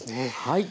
はい。